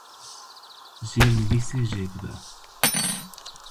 Jêrnivîsê jê bibe.